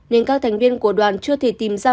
nên các thành viên của đoàn chưa thể tìm ra